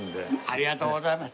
ありがとうございます。